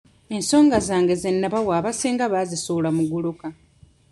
Ensonga zange ze nnabawa abasinga baazisuula muguluka.